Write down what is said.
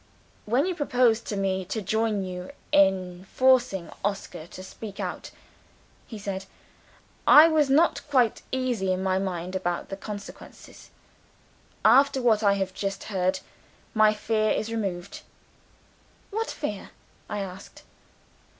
"When you proposed to me to join you in forcing Oscar to speak out," he said, "I was not quite easy in my mind about the consequences. After what I have just heard, my fear is removed." "What fear?" I asked.